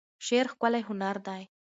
شعر ښکلی هنر دی.